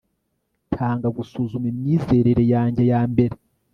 tanga gusuzuma imyizerere yanjye yambere